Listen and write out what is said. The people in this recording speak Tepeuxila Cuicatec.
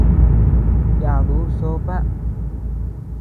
Yaduu sopa.